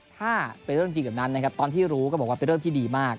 ถ้าเป็นเรื่องจริงแบบนั้นนะครับตอนที่รู้ก็บอกว่าเป็นเรื่องที่ดีมาก